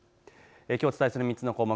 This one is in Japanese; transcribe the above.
きょうお伝えする３つの項目